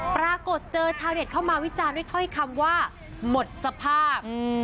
ปรากฏเจอชาวเน็ตเข้ามาวิจารณ์ด้วยถ้อยคำว่าหมดสภาพ